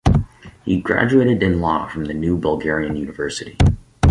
He graduated in law from the New Bulgarian University.